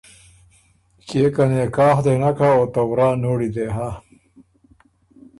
کيې که نکاح دې نک هۀ او ته ورا نوړی دې هۀ